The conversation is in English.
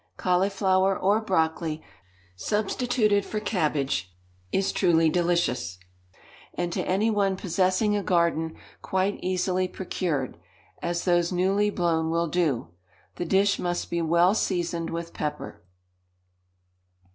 Cauliflower, or broccoli, substituted for cabbage, is truly delicious; and, to any one possessing a garden, quite easily procured, as those newly blown will do. The dish must be well seasoned with pepper.